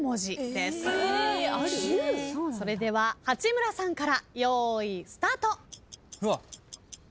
それでは八村さんから用意スタート。